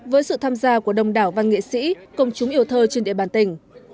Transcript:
với sự tham gia của đông đảo văn nghệ sĩ công chúng yêu thơ trên địa bàn tỉnh